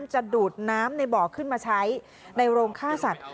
จะดูดน้ำในบ่อขึ้นมาใช้ในโรงฆ่าสัตว์